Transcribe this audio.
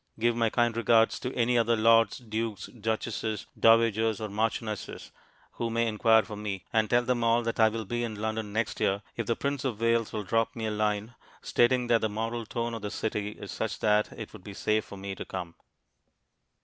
Give my kind regards to any other lords, dukes, duchesses, dowagers or marchionesses who may inquire for me, and tell them all that I will be in London next year if the Prince of Wales will drop me a line stating that the moral tone of the city is such that it would be safe for me to come.